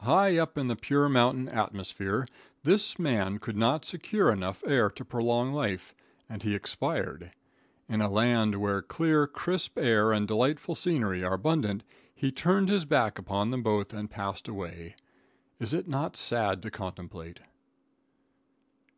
High up in the pure mountain atmosphere, this man could not secure enough air to prolong life, and he expired. In a land where clear, crisp air and delightful scenery are abundant, he turned his back upon them both and passed away. Is it not sad to contemplate?